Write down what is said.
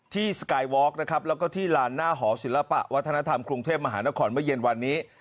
สกายวอล์กนะครับแล้วก็ที่ลานหน้าหอศิลปะวัฒนธรรมกรุงเทพมหานครเมื่อเย็นวันนี้